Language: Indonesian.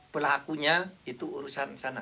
pelakunya itu urusan sana